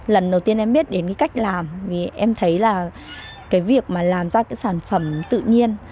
lần đầu tiên em biết đến cách làm vì em thấy là việc làm ra sản phẩm tự nhiên